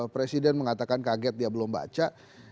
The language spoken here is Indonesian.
presiden mengatakan kaget dia belum baca